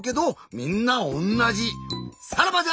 さらばじゃ！